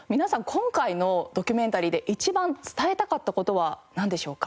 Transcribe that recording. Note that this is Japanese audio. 今回のドキュメンタリーで一番伝えたかった事はなんでしょうか？